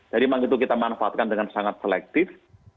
jadi menggitu kita manfaatkan dengan sangat kolektif